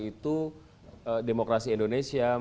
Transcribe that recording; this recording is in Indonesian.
itu demokrasi indonesia